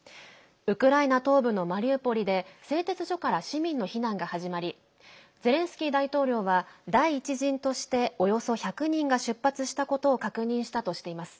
ウクライナ東部のマリウポリで製鉄所から市民の避難が始まりゼレンスキー大統領は第１陣として、およそ１００人が出発したことを確認したとしています。